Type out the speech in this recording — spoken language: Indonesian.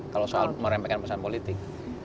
kalau soal meremehkan pesan politik